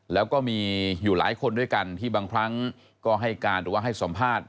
แล้วก็มีอยู่หลายคนด้วยกันที่บางครั้งก็ให้การหรือว่าให้สัมภาษณ์